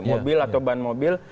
mobil atau ban mobil